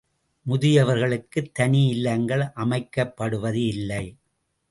முதியவர்களுக்குத் தனி இல்லங்கள் அமைக்கப்படுவது இல்லை.